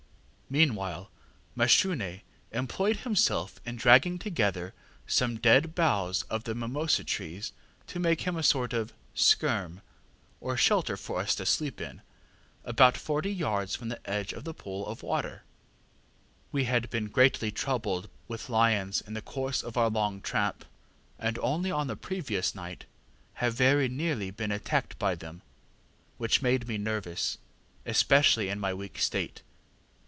ŌĆ£Meanwhile Mashune employed himself in dragging together some dead boughs from the mimosa trees to make a sort of ŌĆśskerm, ŌĆÖ or shelter for us to sleep in, about forty yards from the edge of the pool of water. We had been greatly troubled with lions in the course of our long tramp, and only on the previous night have very nearly been attacked by them, which made me nervous, especially in my weak state.